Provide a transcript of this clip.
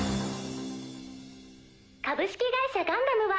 「株式会社ガンダム」は。